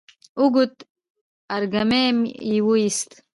اوږد ارږمی يې وايست،